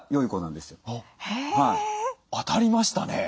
当たりましたね！